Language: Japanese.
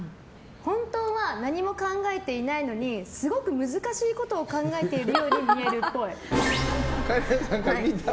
本当は何も考えていないのにすごく難しいことを考えているようにみえるっぽい。